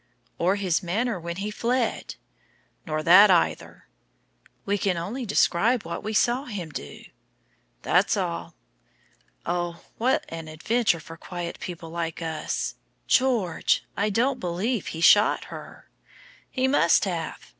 "Or his manner as he fled." "Nor that either." "We can only describe what we saw him do." "That's all." "Oh, what an adventure for quiet people like us! George, I don't believe he shot her." "He must have."